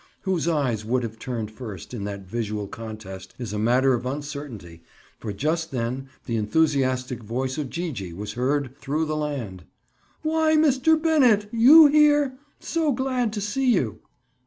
Whose eyes would have turned first, in that visual contest is a matter of uncertainty, for just then the enthusiastic voice of Gee gee was heard "through the land." "Why, Mr. Bennett—you here? So glad to see you!"